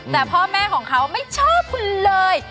แต่พ่อแม่ของเขาไม่ชอบคุณเลย